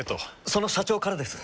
その社長からです。